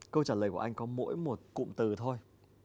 câu trả lời của anh có mỗi một cụm từ thôi